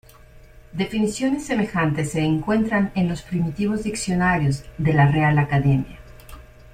Definiciones semejantes se encuentran en los primitivos diccionarios de la Real Academia.